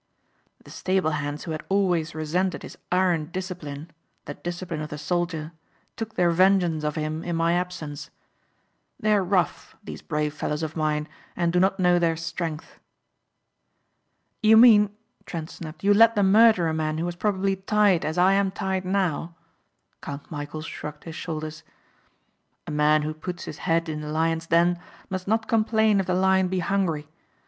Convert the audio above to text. "The stable hands who had always resented his iron discipline, the discipline of the soldier, took their vengeance of him in my absence. They are rough, these brave fellows of mine, and do not know their strength." "You mean," Trent snapped, "you let them murder a man who was probably tied as I am tied now?" Count Michæl shrugged his shoulders. "A man who puts his head in the lion's den must not complain if the lion be hungry.